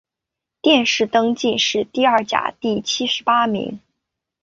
殿试登进士第二甲第七十八名。